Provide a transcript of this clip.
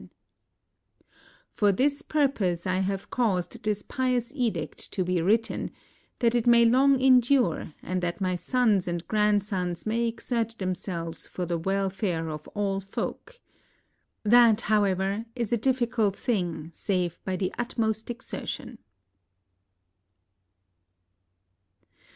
93 INDIA For this purpose, have I caused this pious edict to be written, that it may long endure, and that my sons and grandsons may exert themselves for the welfare of all folk. That, however, is a difficult thing save by the utmost exertion.